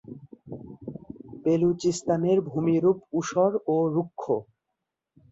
বেলুচিস্তানের ভূমিরূপ ঊষর ও রুক্ষ।